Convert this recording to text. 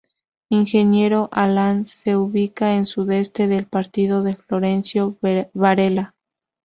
Ingeniero Allan se ubica al sudeste del Partido de Florencio Varela.